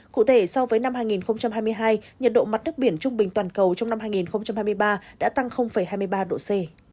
cụ thể so với năm hai nghìn hai mươi hai nhiệt độ mặt nước biển trung bình toàn cầu trong năm hai nghìn hai mươi ba đã tăng hai mươi ba độ c